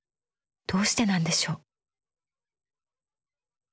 どうしてなんでしょう？